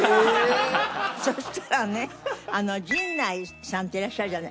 そしたらね陣内さんっていらっしゃるじゃない。